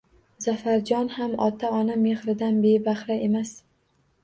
Zafarjon ham ota-ona mehridan bebahra emas